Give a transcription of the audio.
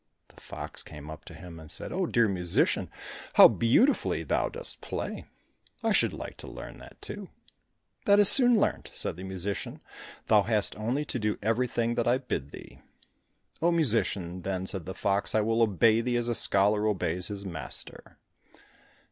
The fox came up to him and said, "Oh, dear musician, how beautifully thou dost play! I should like to learn that too." "That is soon learnt," said the musician. "Thou hast only to do everything that I bid thee." "Oh, musician," then said the fox, "I will obey thee as a scholar obeys his master."